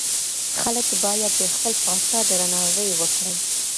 خلګ بايد د خپل پاچا درناوی وکړي.